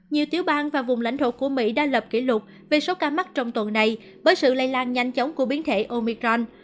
nhiều tiểu bang và vùng lãnh thổ của mỹ đã lập kỷ lục về số ca mắc trong tuần này bởi sự lây lan nhanh chóng của biến thể omicron